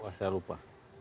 wah saya lupa